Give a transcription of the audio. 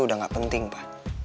udah gak penting pa